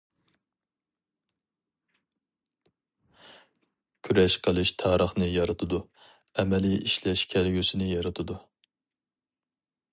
كۈرەش قىلىش تارىخنى يارىتىدۇ، ئەمەلىي ئىشلەش كەلگۈسىنى يارىتىدۇ.